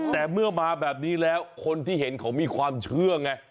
แต่เมื่อมาแบบนี้แล้วคนที่เห็นเขามีความเชื่อไง